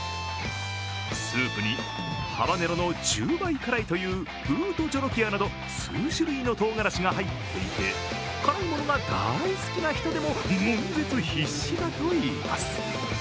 スープに、ハバネロの１０倍辛いというブート・ジョロキアなど数種類のとうがらしが入っていて辛いものが大好きな人でも悶絶必至だといいます。